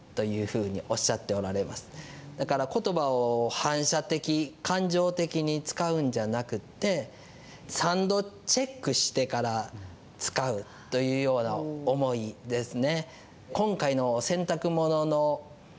反射的、感情的に使うんじゃなくて、三度チェックしてから使うというような思いですね。